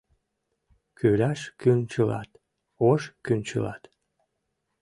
Кӱляш кӱнчылат — ош кӱнчылат